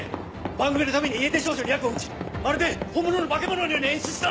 番組のために家出少女にヤクを打ちまるで本物の化け物のように演出した！